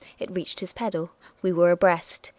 It reached his pedal. We were abreast.